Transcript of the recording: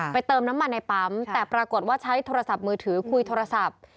เติมน้ำมันในปั๊มแต่ปรากฏว่าใช้โทรศัพท์มือถือคุยโทรศัพท์